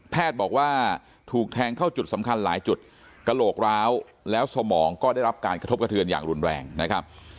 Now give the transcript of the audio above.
บอกว่าถูกแทงเข้าจุดสำคัญหลายจุดกระโหลกร้าวแล้วสมองก็ได้รับการกระทบกระเทือนอย่างรุนแรงนะครับ